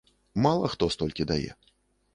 Мала хто столькі дае.